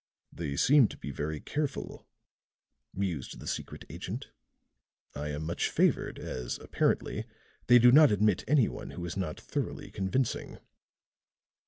"They seem to be very careful," mused the secret agent. "I am much favored, as, apparently, they do not admit any one who is not thoroughly convincing."